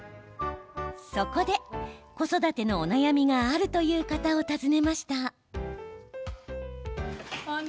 そこで、子育てのお悩みがあるという方を訪ねました。